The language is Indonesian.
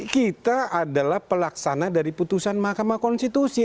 kita adalah pelaksana dari putusan mahkamah konstitusi